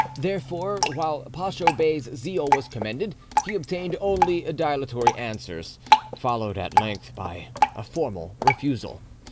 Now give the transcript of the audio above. Therefore, while Pacho Bey's zeal was commended, he obtained only dilatory answers, followed at length by a formal refusal.